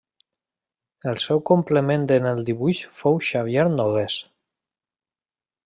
El seu complement en el dibuix fou Xavier Nogués.